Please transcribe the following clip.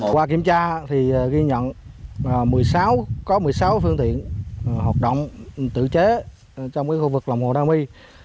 qua kiểm tra thì ghi nhận có một mươi sáu phương tiện hoạt động tự chế trong khu vực lòng hồ đa my